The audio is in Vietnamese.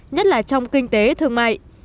nhất là trong kinh tế thương mại